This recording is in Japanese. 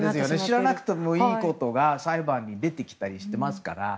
知らなくてもいいことが裁判に出てきたりしてますから。